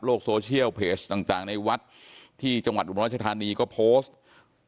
โซเชียลเพจต่างในวัดที่จังหวัดอุบลรัชธานีก็โพสต์